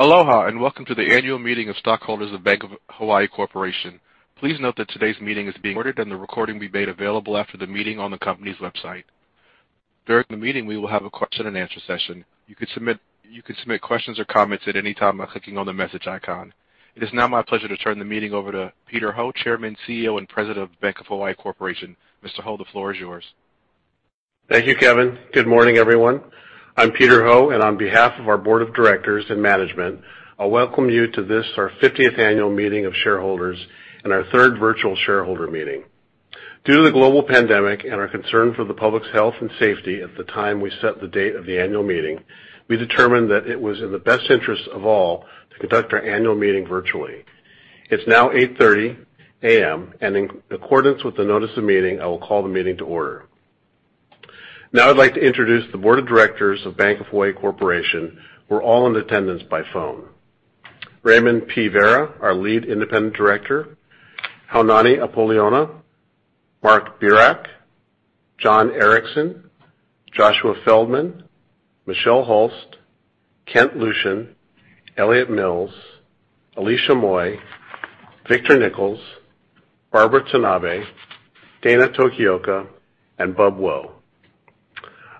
Aloha, and welcome to the annual meeting of stockholders of Bank of Hawaii Corporation. Please note that today's meeting is being recorded and the recording will be made available after the meeting on the company's website. During the meeting, we will have a question and answer session. You can submit questions or comments at any time by clicking on the message icon. It is now my pleasure to turn the meeting over to Peter Ho, Chairman, CEO, and President of Bank of Hawaii Corporation. Mr. Ho, the floor is yours. Thank you, Kevin. Good morning, everyone. I'm Peter Ho, and on behalf of our board of directors and management, I welcome you to this, our fiftieth annual meeting of shareholders and our third virtual shareholder meeting. Due to the global pandemic and our concern for the public's health and safety at the time we set the date of the annual meeting, we determined that it was in the best interest of all to conduct our annual meeting virtually. It's now 8:30 A.M., and in accordance with the notice of meeting, I will call the meeting to order. Now I'd like to introduce the board of directors of Bank of Hawaii Corporation, who are all in attendance by phone. Raymond P. Vara, our Lead Independent Director, Haunani Apoliona, Mark Burak, John Erickson, Joshua Feldman, Michelle Hulst, Kent Lucien, Elliot Mills, Alicia Moy, Victor Nichols, Barbara Tanabe, Dana Tokioka, and Bob Wo.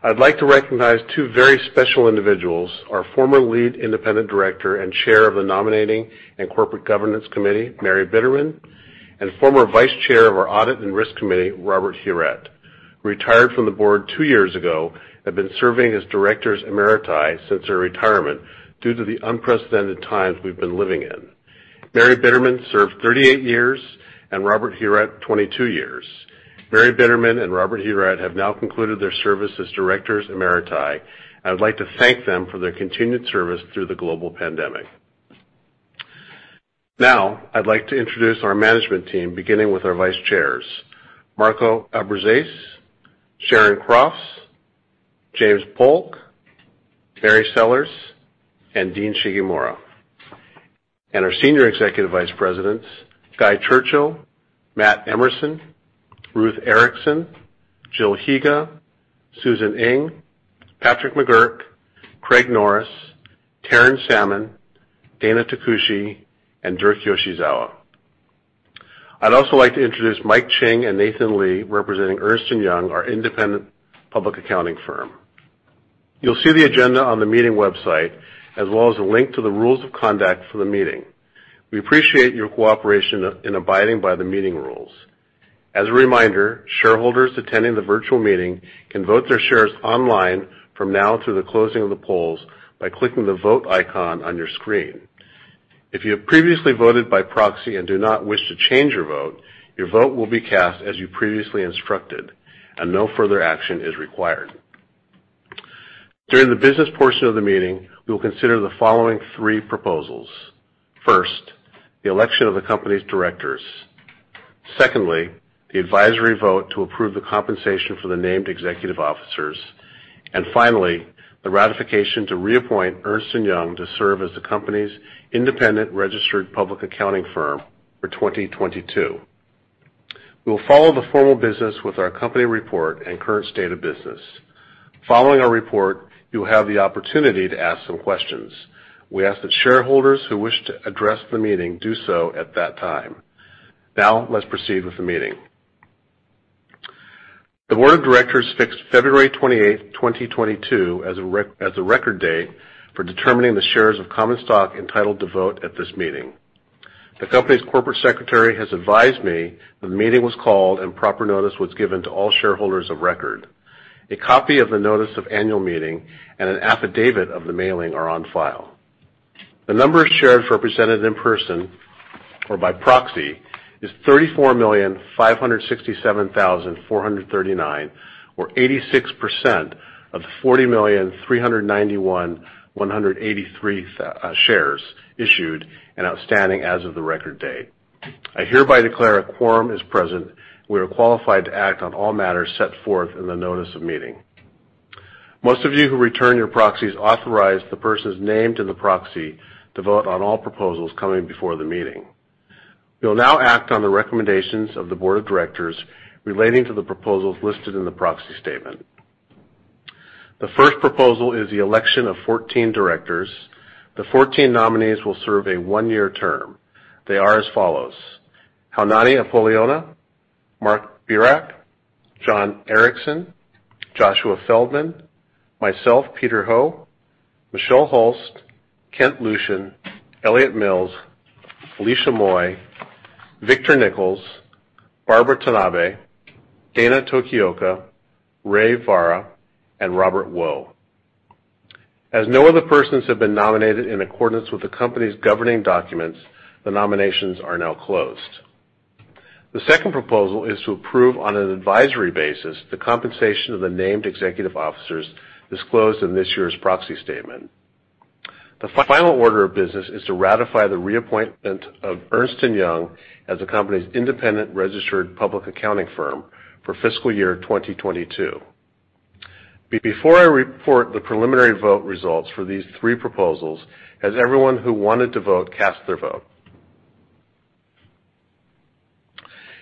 I'd like to recognize two very special individuals, our former Lead Independent Director and Chair of the Nominating and Corporate Governance Committee, Mary Bitterman, and former Vice Chair of our Audit and Risk Committee, Robert Huret, who retired from the board two years ago and been serving as directors emeriti since their retirement due to the unprecedented times we've been living in. Mary Bitterman served 38 years, and Robert Huret, 22 years. Mary Bitterman and Robert Huret have now concluded their service as directors emeriti. I would like to thank them for their continued service through the global pandemic. Now, I'd like to introduce our management team, beginning with our vice chairs, Marco Abbruzzese, Sharon Crofts, James Polk, Mary Sellers, and Dean Shigemura. Our Senior Executive Vice Presidents, Guy Churchill, Matt Emerson, Ruth Erickson, Jill Higa, Susan Ing, Patrick McGuirk, Craig Norris, Taryn Salmon, Dana Takushi, and Dirk Yoshizawa. I'd also like to introduce Mike Ching and Nathan Lee, representing Ernst & Young, our independent public accounting firm. You'll see the agenda on the meeting website, as well as a link to the rules of conduct for the meeting. We appreciate your cooperation in abiding by the meeting rules. As a reminder, shareholders attending the virtual meeting can vote their shares online from now to the closing of the polls by clicking the Vote icon on your screen. If you have previously voted by proxy and do not wish to change your vote, your vote will be cast as you previously instructed, and no further action is required. During the business portion of the meeting, we will consider the following three proposals. First, the election of the company's directors. Secondly, the advisory vote to approve the compensation for the named executive officers. Finally, the ratification to reappoint Ernst & Young to serve as the company's independent registered public accounting firm for 2022. We will follow the formal business with our company report and current state of business. Following our report, you will have the opportunity to ask some questions. We ask that shareholders who wish to address the meeting do so at that time. Now let's proceed with the meeting. The board of directors fixed February 28th, 2022 as a record date for determining the shares of common stock entitled to vote at this meeting. The company's corporate secretary has advised me that the meeting was called and proper notice was given to all shareholders of record. A copy of the notice of annual meeting and an affidavit of the mailing are on file. The number of shares represented in person or by proxy is 34,567,439, or 86% of the 40,391,183 shares issued and outstanding as of the record date. I hereby declare a quorum is present. We are qualified to act on all matters set forth in the notice of meeting. Most of you who return your proxies authorize the persons named in the proxy to vote on all proposals coming before the meeting. We will now act on the recommendations of the Board of Directors relating to the proposals listed in the proxy statement. The first proposal is the election of 14 directors. The 14 nominees will serve a one year term. They are as follows, Haunani Apoliona, Mark Burak, John Erickson, Joshua Feldman, myself; Peter Ho, Michelle Hulst, Kent Lucien, Elliot Mills, Alicia Moy, Victor Nichols, Barbara Tanabe, Dana Tokioka, Ray Vara, and Robert Wo. As no other persons have been nominated in accordance with the company's governing documents, the nominations are now closed. The second proposal is to approve on an advisory basis the compensation of the named executive officers disclosed in this year's proxy statement. The final order of business is to ratify the reappointment of Ernst & Young as the company's independent registered public accounting firm for fiscal year 2022. Before I report the preliminary vote results for these three proposals, has everyone who wanted to vote cast their vote?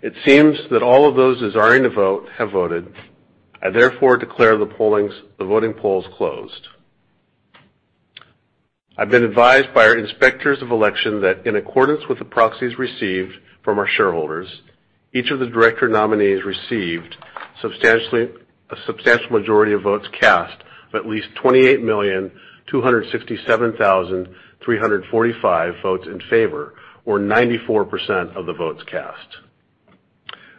It seems that all of those desiring to vote have voted. I therefore declare the voting polls closed. I've been advised by our inspectors of election that in accordance with the proxies received from our shareholders, each of the director nominees received a substantial majority of votes cast of at least 28,267,345 votes in favor, or 94% of the votes cast.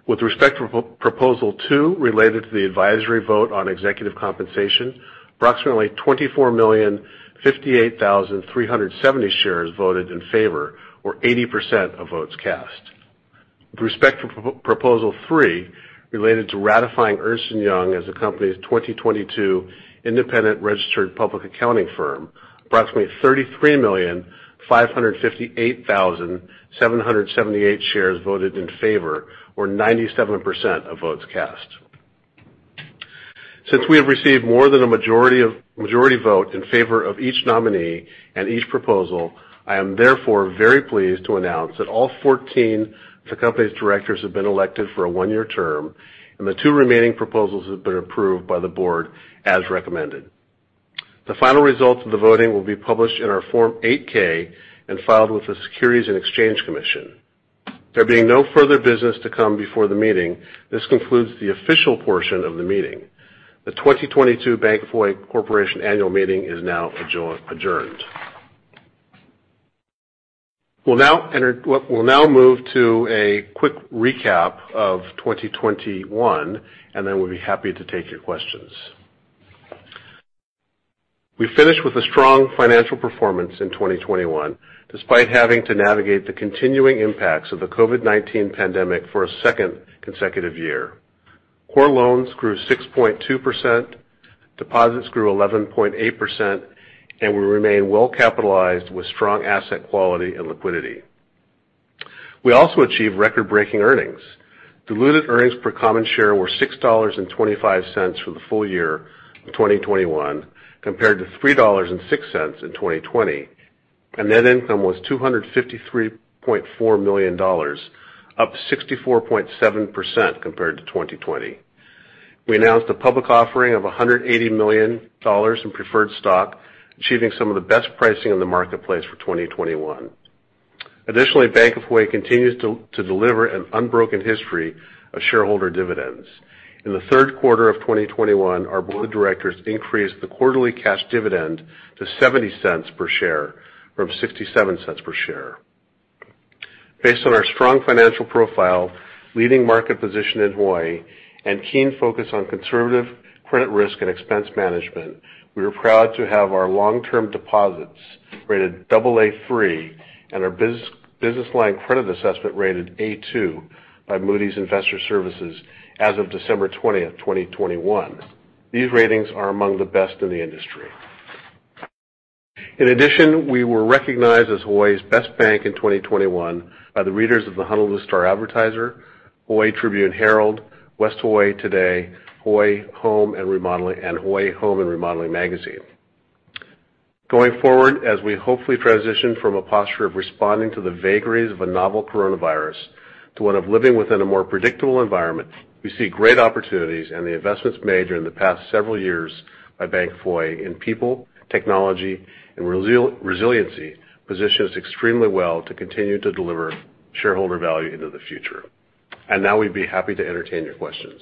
With respect to Proposal two, related to the advisory vote on executive compensation, approximately 24,058,370 shares voted in favor, or 80% of votes cast. With respect to Proposal three, related to ratifying Ernst & Young as the company's 2022 independent registered public accounting firm, approximately 33,558,778 shares voted in favor, or 97% of votes cast. Since we have received more than a majority vote in favor of each nominee and each proposal, I am therefore very pleased to announce that all 14 of the company's directors have been elected for a one year term, and the two remaining proposals have been approved by the board as recommended. The final results of the voting will be published in our Form 8-K and filed with the Securities and Exchange Commission. There being no further business to come before the meeting, this concludes the official portion of the meeting. The 2022 Bank of Hawaii Corporation annual meeting is now adjourned. We'll now move to a quick recap of 2021, and then we'll be happy to take your questions. We finished with a strong financial performance in 2021, despite having to navigate the continuing impacts of the COVID-19 pandemic for a second consecutive year. Core loans grew 6.2%, deposits grew 11.8%, and we remain well-capitalized with strong asset quality and liquidity. We also achieved record-breaking earnings. Diluted earnings per common share were $6.25 for the full year of 2021 compared to $3.06 in 2020. Net income was $253.4 million, up 64.7% compared to 2020. We announced a public offering of $180 million in preferred stock, achieving some of the best pricing in the marketplace for 2021. Additionally, Bank of Hawaii continues to deliver an unbroken history of shareholder dividends. In the third quarter of 2021, our board of directors increased the quarterly cash dividend to $0.70 per share from $0.67 per share. Based on our strong financial profile, leading market position in Hawaii, and keen focus on conservative credit risk and expense management, we are proud to have our long-term deposits rated Aa3 and our business line credit assessment rated A2 by Moody's Investors Service as of December 20th, 2021. These ratings are among the best in the industry. In addition, we were recognized as Hawaii's best bank in 2021 by the readers of the Honolulu Star-Advertiser, Hawaii Tribune-Herald, West Hawaii Today, Hawaii Home + Remodeling and Hawaii Home + Remodeling Magazine. Going forward, as we hopefully transition from a posture of responding to the vagaries of a novel coronavirus to one of living within a more predictable environment, we see great opportunities and the investments made during the past several years by Bank of Hawaii in people, technology, and resiliency positions extremely well to continue to deliver shareholder value into the future. Now we'd be happy to entertain your questions.